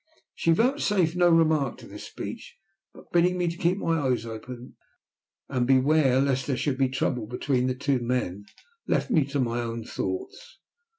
She vouchsafed no remark to this speech, but, bidding me keep my eyes open, and beware lest there should be trouble between the two men, left me to my own thoughts.